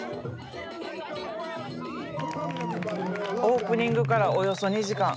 オープニングからおよそ２時間。